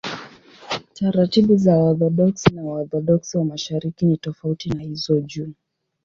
Taratibu za Waorthodoksi na Waorthodoksi wa Mashariki ni tofauti na hizo juu.